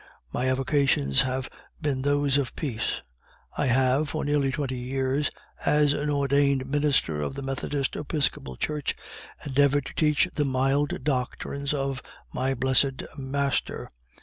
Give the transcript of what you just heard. My avocations have been those of peace. I have, for nearly twenty years, as an ordained Minister of the Methodist Episcopal Church, endeavored to teach the mild doctrines of my blessed master.